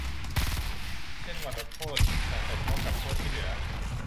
เช่น วันลดโทษสะสมเท่ากับโทษที่เหลือ